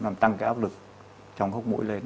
nó tăng cái áp lực trong khúc mũi lên